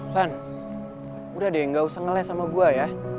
lan udah deh gak usah ngeles sama gue ya